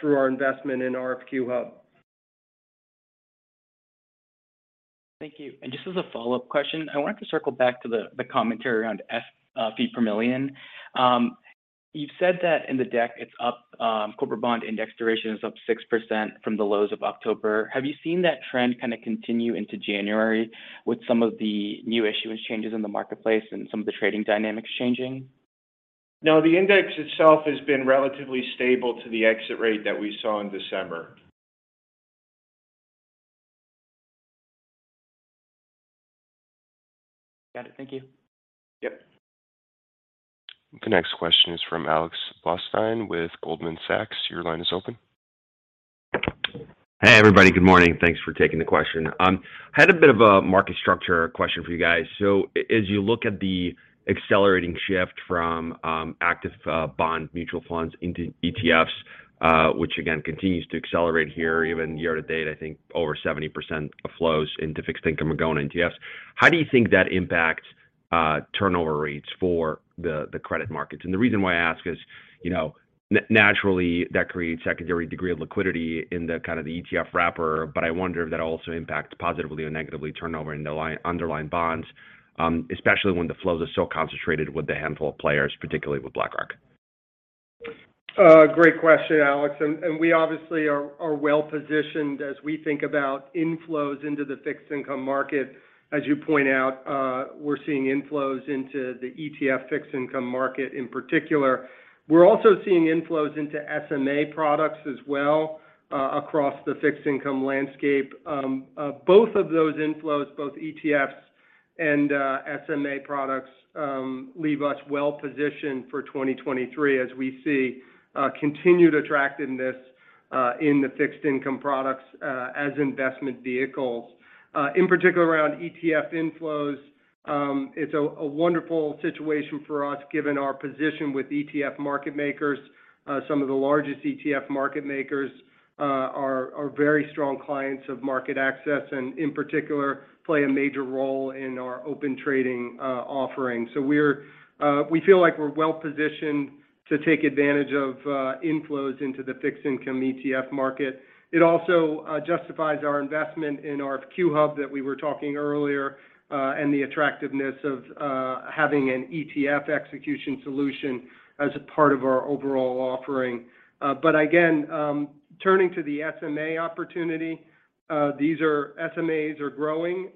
through our investment in RFQ-hub. Thank you. Just as a follow-up question, I wanted to circle back to the commentary around fee per million. You've said that in the deck, it's up, corporate bond index duration is up 6% from the lows of October. Have you seen that trend kinda continue into January with some of the new issuance changes in the marketplace and some of the trading dynamics changing? No. The index itself has been relatively stable to the exit rate that we saw in December. Got it. Thank you. Yep. The next question is from Alex Blostein with Goldman Sachs. Your line is open. Hey, everybody. Good morning. Thanks for taking the question. Had a bit of a market structure question for you guys. As you look at the accelerating shift from active bond mutual funds into ETFs, which again continues to accelerate here, even year-to-date, I think over 70% of flows into Fixed Income are going into ETFs, how do you think that impacts turnover rates for the credit markets? The reason why I ask is, you know, naturally, that creates secondary degree of liquidity in the kind of the ETF wrapper, but I wonder if that also impacts positively or negatively turnover in the underlying bonds, especially when the flows are so concentrated with a handful of players, particularly with BlackRock. Great question, Alex. We obviously are well-positioned as we think about inflows into the Fixed Income market. As you point out, we're seeing inflows into the ETF Fixed Income market in particular. We're also seeing inflows into SMA products as well across the Fixed Income landscape. Both of those inflows, both ETFs and SMA products leave us well-positioned for 2023 as we see continued attractiveness in the Fixed Income products as investment vehicles. In particular around ETF inflows, it's a wonderful situation for us given our position with ETF market makers. Some of the largest ETF market makers are very strong clients of MarketAxess and, in particular, play a major role in our Open Trading offering. We feel like we're well-positioned to take advantage of inflows into the Fixed Income ETF market. It also justifies our investment in RFQ-hub that we were talking earlier, and the attractiveness of having an ETF execution solution as a part of our overall offering. Again, turning to the SMA opportunity, SMAs are growing.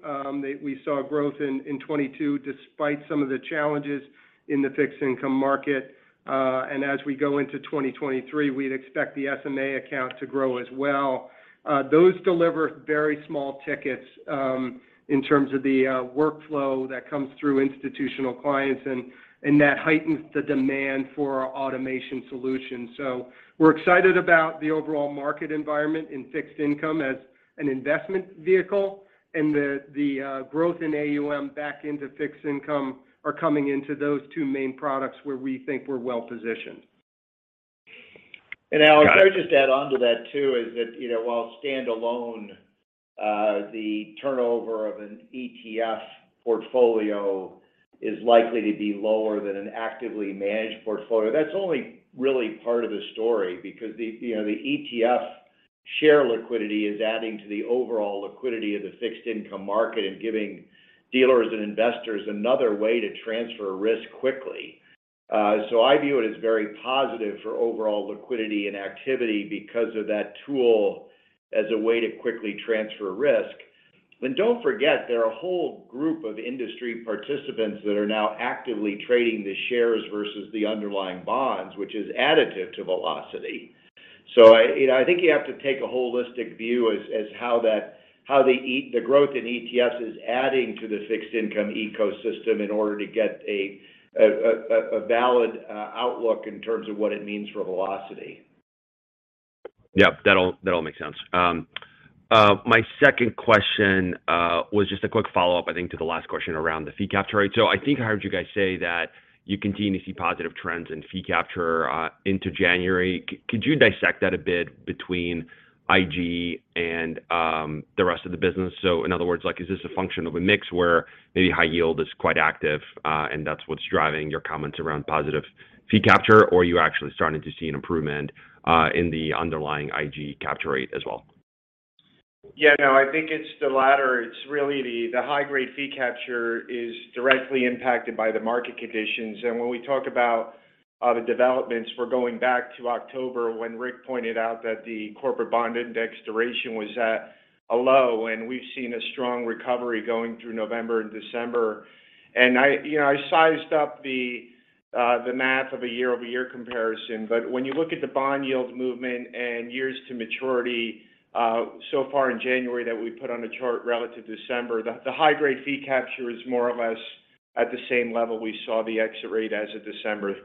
We saw growth in 2022 despite some of the challenges in the Fixed Income market. As we go into 2023, we'd expect the SMA account to grow as well. Those deliver very small tickets, in terms of the workflow that comes through institutional clients and that heightens the demand for our automation solution. We're excited about the overall market environment in Fixed Income as an investment vehicle, and the growth in AUM back into Fixed Income are coming into those two main products where we think we're well-positioned. Alex, I would just add on to that too is that, you know, while standalone, the turnover of an ETF portfolio is likely to be lower than an actively managed portfolio, that's only really part of the story because the, you know, the ETF share liquidity is adding to the overall liquidity of the Fixed Income market and giving dealers and investors another way to transfer risk quickly. So I view it as very positive for overall liquidity and activity because of that tool as a way to quickly transfer risk. Don't forget, there are a whole group of industry participants that are now actively trading the shares versus the underlying bonds, which is additive to velocity. I, you know, I think you have to take a holistic view as how the growth in ETFs is adding to the Fixed Income ecosystem in order to get a valid outlook in terms of what it means for velocity. Yep. That all, that all makes sense. My second question was just a quick follow-up, I think, to the last question around the fee capture rate. I think I heard you guys say that you continue to see positive trends in fee capture into January. Could you dissect that a bit between IG and the rest of the business? In other words, like, is this a function of a mix where maybe high yield is quite active, and that's what's driving your comments around positive fee capture, or are you actually starting to see an improvement in the underlying IG capture rate as well? Yeah, no, I think it's the latter. It's really the high-grade fee capture is directly impacted by the market conditions. When we talk about the developments, we're going back to October when Rick pointed out that the corporate bond index duration was at a low, and we've seen a strong recovery going through November and December. I, you know, I sized up the math of a year-over-year comparison, but when you look at the bond yield movement and years to maturity so far in January that we put on a chart relative to December, the high-grade fee capture is more or less at the same level we saw the exit rate as of December.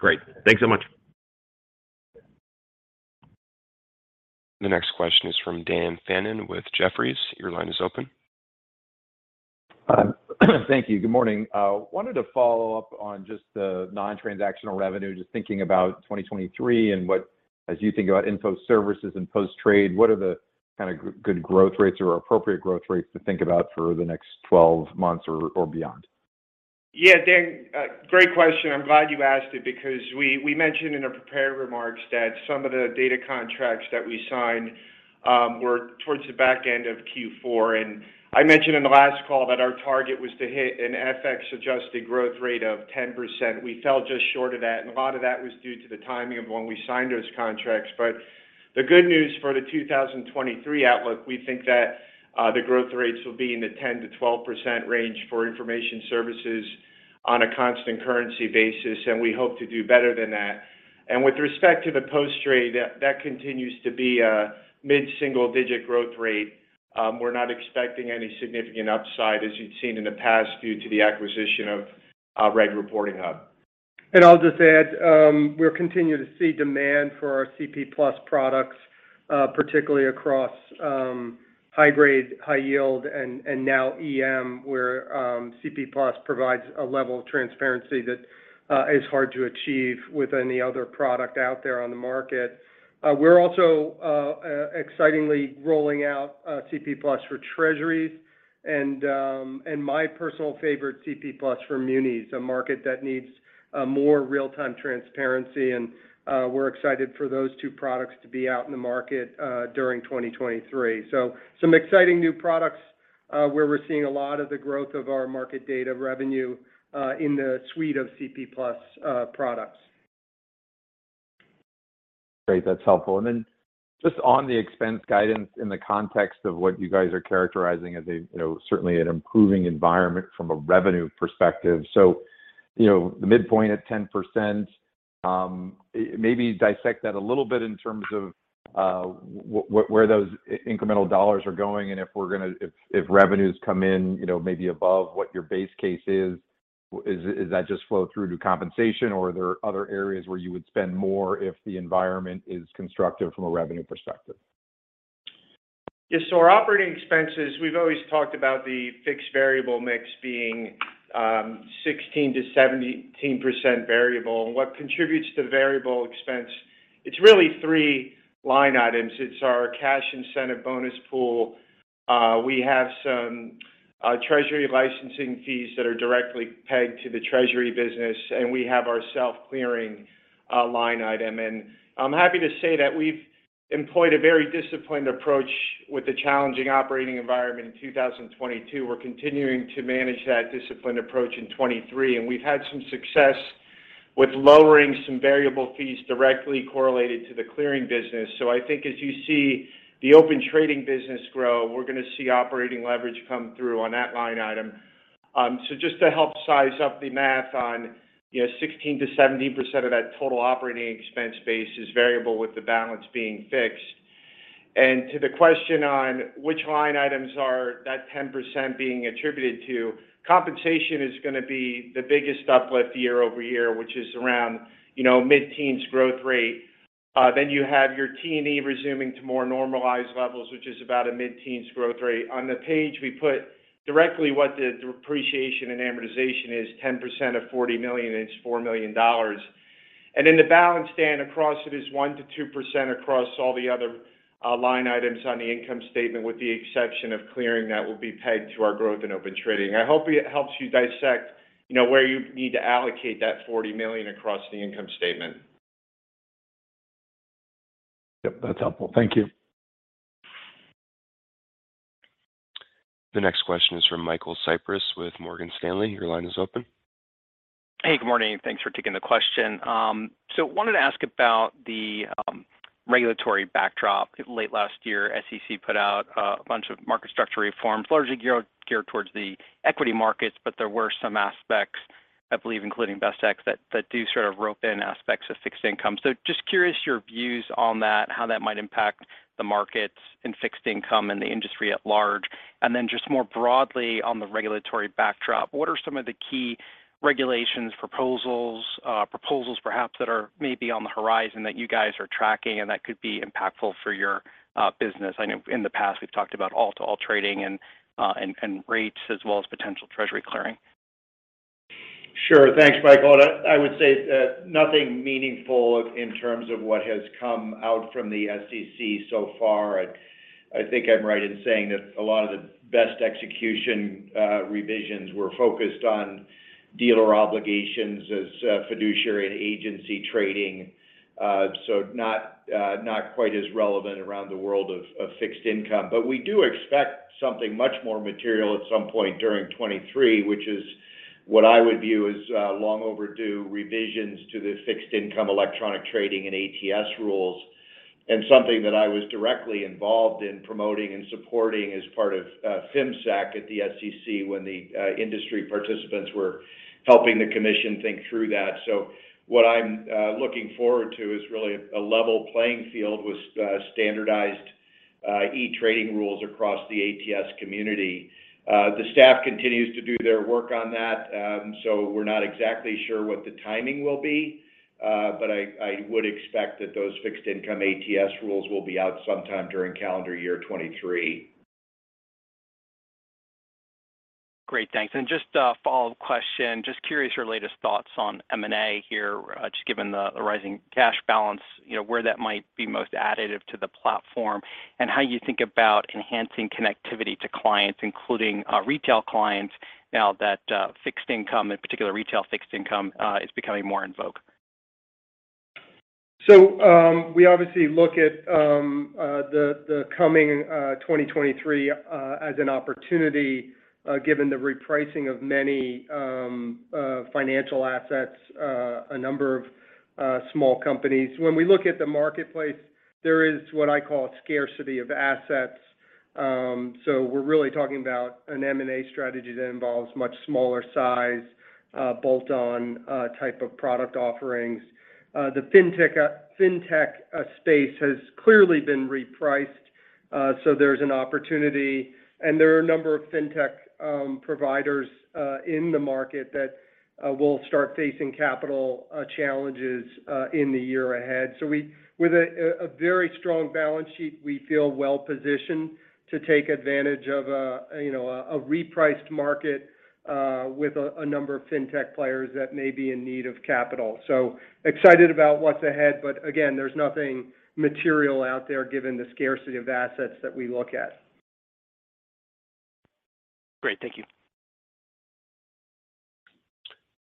Great. Thanks so much. The next question is from Dan Fannon with Jefferies. Your line is open. Thank you. Good morning. Wanted to follow up on just the non-transactional revenue, just thinking about 2023 and what, as you think about info services and post-trade, what are the kind of good growth rates or appropriate growth rates to think about for the next 12 months or beyond? Dan, great question. I'm glad you asked it because we mentioned in our prepared remarks that some of the data contracts that we signed were towards the back end of Q4. I mentioned in the last call that our target was to hit an FX-adjusted growth rate of 10%. We fell just short of that, and a lot of that was due to the timing of when we signed those contracts. The good news for the 2023 outlook, we think that the growth rates will be in the 10%-12% range for information services on a constant currency basis, and we hope to do better than that. With respect to the post-trade, that continues to be a mid-single-digit growth rate. We're not expecting any significant upside as you've seen in the past due to the acquisition of Regulatory Reporting Hub. I'll just add, we're continuing to see demand for our CP+ products, particularly across high-grade, high-yield, and now EM, where CP+ provides a level of transparency that is hard to achieve with any other product out there on the market. We're also excitingly rolling out CP+ for Treasuries and my personal favorite, CP+ for Munis, a market that needs more real-time transparency. We're excited for those two products to be out in the market during 2023. Some exciting new products where we're seeing a lot of the growth of our market data revenue in the suite of CP+ products. Great. That's helpful. Then just on the expense guidance in the context of what you guys are characterizing as a, you know, certainly an improving environment from a revenue perspective. You know, the midpoint at 10%, maybe dissect that a little bit in terms of where those incremental dollars are going and if revenues come in, you know, maybe above what your base case is that just flow through to compensation or are there other areas where you would spend more if the environment is constructive from a revenue perspective? Our operating expenses, we've always talked about the fixed variable mix being 16%-17% variable. What contributes to variable expense, it's really three line items. It's our cash incentive bonus pool. We have some treasury licensing fees that are directly pegged to the treasury business, and we have our self-clearing line item. I'm happy to say that we've employed a very disciplined approach with the challenging operating environment in 2022. We're continuing to manage that disciplined approach in 2023, and we've had some success with lowering some variable fees directly correlated to the clearing business. I think as you see the Open Trading business grow, we're gonna see operating leverage come through on that line item. Just to help size up the math on, you know, 16%-17% of that total operating expense base is variable with the balance being fixed. To the question on which line items are that 10% being attributed to, compensation is gonna be the biggest uplift year-over-year, which is around, you know, mid-teens growth rate. You have your T&E resuming to more normalized levels, which is about a mid-teens growth rate. On the page, we put directly what the depreciation and amortization is, 10% of $40 million is $4 million. In the balance stand across it is 1%-2% across all the other line items on the income statement, with the exception of clearing that will be paid to our growth in Open Trading. I hope it helps you dissect, you know, where you need to allocate that $40 million across the income statement. Yep, that's helpful. Thank you. The next question is from Michael Cyprys with Morgan Stanley. Your line is open. Hey, good morning. Thanks for taking the question. Wanted to ask about the regulatory backdrop. Late last year, SEC put out a bunch of market structure reforms, largely geared towards the equity markets, but there were some aspects, I believe, including Best Execution, that do sort of rope in aspects of Fixed Income. Just curious your views on that, how that might impact the markets in Fixed Income and the industry at large. Just more broadly on the regulatory backdrop, what are some of the key regulations, proposals perhaps that are maybe on the horizon that you guys are tracking and that could be impactful for your business? I know in the past we've talked about All-to-All trading and rates as well as potential Treasury clearing. Sure. Thanks, Michael. I would say, nothing meaningful in terms of what has come out from the SEC so far. I think I'm right in saying that a lot of the Best Execution revisions were focused on dealer obligations as fiduciary and agency trading. Not quite as relevant around the world of Fixed Income. We do expect something much more material at some point during 2023, which is what I would view as long overdue revisions to the Fixed Income electronic trading and ATS rules. Something that I was directly involved in promoting and supporting as part of FIMSAC at the SEC when the industry participants were helping the commission think through that. What I'm looking forward to is really a level playing field with standardized e-trading rules across the ATS community. The staff continues to do their work on that, so we're not exactly sure what the timing will be. I would expect that those Fixed Income ATS rules will be out sometime during calendar year 2023. Great. Thanks. Just a follow-up question. Just curious, your latest thoughts on M&A here, just given the rising cash balance, you know, where that might be most additive to the platform. How you think about enhancing connectivity to clients, including retail clients now that Fixed Income, in particular retail Fixed Income, is becoming more in vogue? So, we obviously look at the coming 2023 as an opportunity, given the repricing of many financial assets, a number, small companies. When we look at the marketplace, there is what I call a scarcity of assets. So, we're really talking about an M&A strategy that involves much smaller size bolt-on type of product offerings. The Fintech space has clearly been repriced, so there's an opportunity. And there are a number of Fintech providers in the market that will start facing capital challenges in the year ahead. So we—with a very strong balance sheet, we feel well-positioned to take advantage of a repriced market with annumber of Fintech players that may be in need of capital. Excited about what's ahead, but again, there's nothing material out there given the scarcity of assets that we look at. Great. Thank you.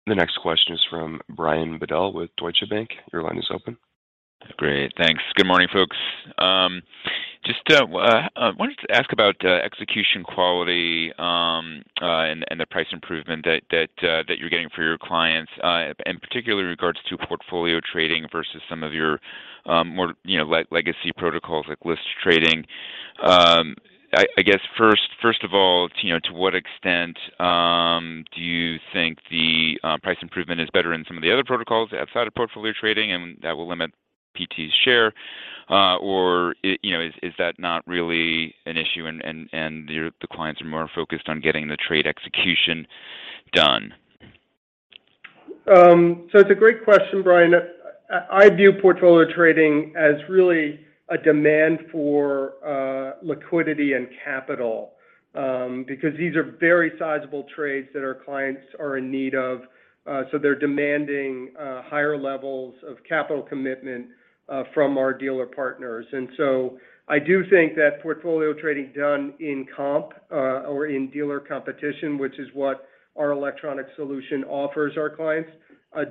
The next question is from Brian Bedell with Deutsche Bank. Your line is open. Great. Thanks. Good morning, folks. Just I wanted to ask about execution quality and the price improvement that you're getting for your clients. Particularly in regards to portfolio trading versus some of your more, you know, legacy protocols like list trading. I guess, first of all, you know, to what extent do you think the price improvement is better in some of the other protocols outside of portfolio trading and that will limit PT's share? You know, is that not really an issue and the clients are more focused on getting the trade execution done? It's a great question, Brian. I view portfolio trading as really a demand for liquidity and capital, because these are very sizable trades that our clients are in need of. They're demanding higher levels of capital commitment from our dealer partners. I do think that portfolio trading done in comp or in dealer competition, which is what our electronic solution offers our clients,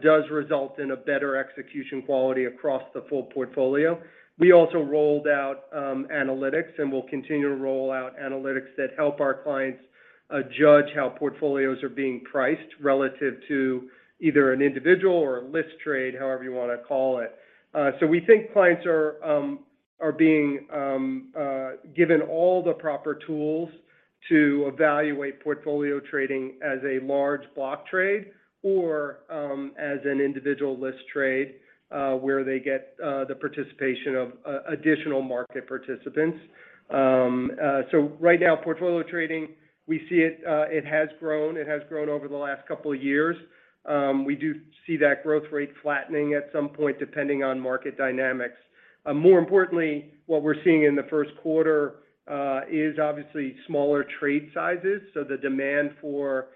does result in a better execution quality across the full portfolio. We also rolled out analytics, and we'll continue to roll out analytics that help our clients judge how portfolios are being priced relative to either an individual or a list trade, however you want to call it. We think clients are being given all the proper tools to evaluate portfolio trading as a large block trade or as an individual list trade, where they get the participation of additional market participants. Right now, portfolio trading, we see it has grown, it has grown over the last couple of years. We do see that growth rate flattening at some point, depending on market dynamics. More importantly, what we are seeing in the first quarter is obviously smaller trade sizes. So the demand for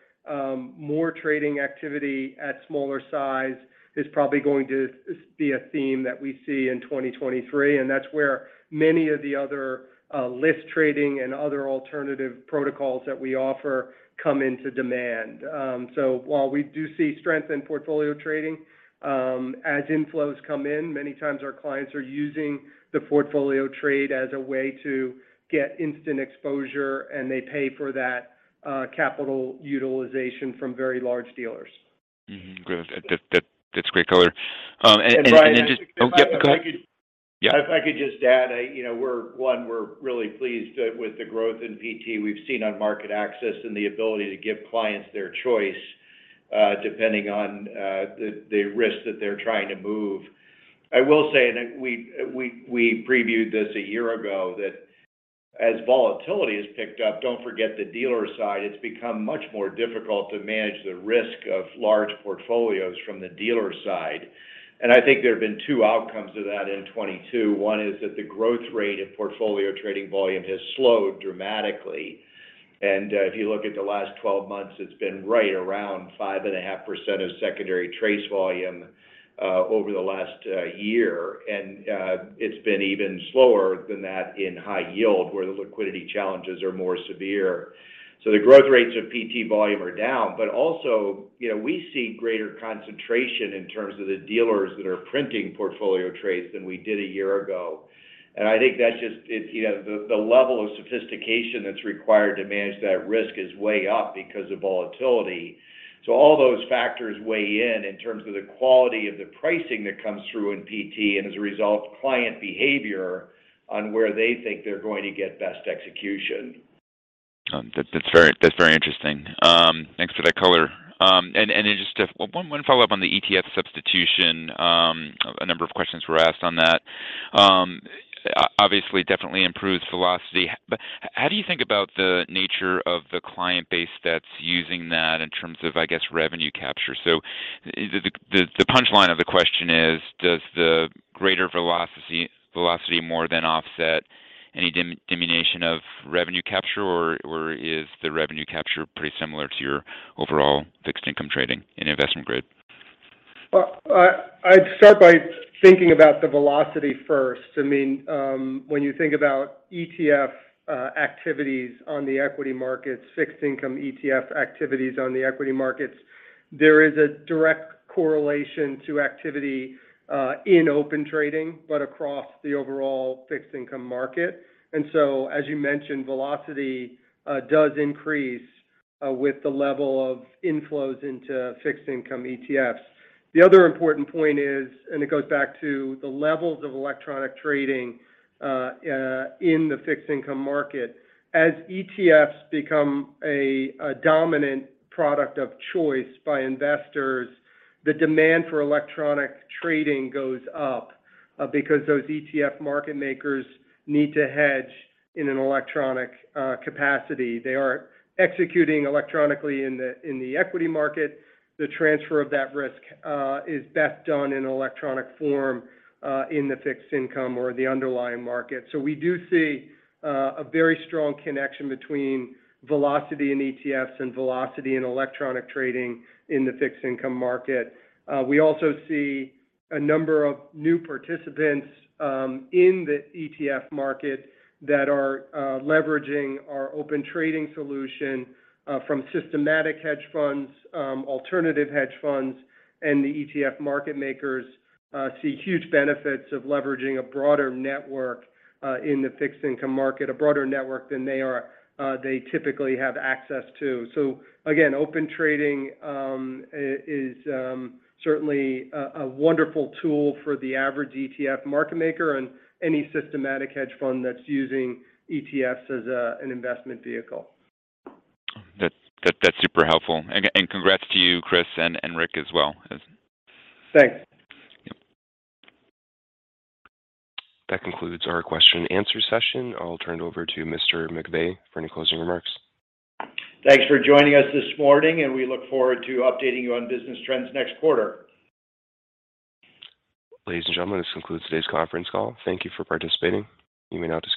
more trading activity at smaller size is probably going to be a theme that we see in 2023, and that is where many of the other list trading and other alternative protocols that we offer come into demand. While we do see strength in portfolio trading, as inflows come in, many times our clients are using the portfolio trade as a way to get instant exposure, and they pay for that, capital utilization from very large dealers. Good. That's great color. Brian, Oh, yep. Go ahead. Yeah. If I could just add, You know, we're really pleased with the growth in PT we've seen on MarketAxess and the ability to give clients their choice, depending on the risk that they're trying to move. I will say that we previewed this a year ago, that as volatility has picked up, don't forget the dealer side. It's become much more difficult to manage the risk of large portfolios from the dealer side. I think there have been two outcomes to that in 2022. One is that the growth rate of portfolio trading volume has slowed dramatically. If you look at the last 12 months, it's been right around 5.5% of secondary TRACE volume over the last year. It's been even slower than that in high yield, where the liquidity challenges are more severe. The growth rates of PT volume are down. Also, you know, we see greater concentration in terms of the dealers that are printing portfolio trades than we did a year ago. I think that's just, you know, the level of sophistication that's required to manage that risk is way up because of volatility. All those factors weigh in terms of the quality of the pricing that comes through in PT and, as a result, client behavior on where they think they're going to get Best Execution. That's very interesting. Thanks for that color. Just a one follow-up on the ETF substitution. A number of questions were asked on that. Obviously, definitely improves velocity. How do you think about the nature of the client base that's using that in terms of, I guess, revenue capture? The punchline of the question is, does the greater velocity more than offset any diminution of revenue capture, or is the revenue capture pretty similar to your overall Fixed Income trading in investment grade? Well, I'd start by thinking about the velocity first. I mean, when you think about ETF activities on the equity markets, Fixed Income ETF activities on the equity markets, there is a direct correlation to activity in Open Trading, but across the overall Fixed Income market. As you mentioned, velocity does increase with the level of inflows into Fixed Income ETFs. The other important point is, it goes back to the levels of electronic trading in the Fixed Income market. As ETFs become a dominant product of choice by investors, the demand for electronic trading goes up because those ETF market makers need to hedge in an electronic capacity. They are executing electronically in the equity market. The transfer of that risk is best done in electronic form in the Fixed Income or the underlying market. We do see a very strong connection between velocity in ETFs and velocity in electronic trading in the Fixed Income market. We also see a number of new participants in the ETF market that are leveraging our Open Trading solution from systematic hedge funds, alternative hedge funds. The ETF market makers see huge benefits of leveraging a broader network in the Fixed Income market, a broader network than they typically have access to. Again, Open Trading is certainly a wonderful tool for the average ETF market maker and any systematic hedge fund that's using ETFs as an investment vehicle. That's super helpful. Congrats to you, Chris, and Rick as well. Thanks. Yep. That concludes our question and answer session. I'll turn it over to Mr. McVey for any closing remarks. Thanks for joining us this morning. We look forward to updating you on business trends next quarter. Ladies and gentlemen, this concludes today's conference call. Thank you for participating. You may now disconnect.